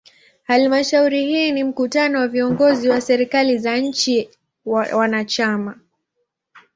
Halmashauri hii ni mkutano wa viongozi wa serikali za nchi wanachama.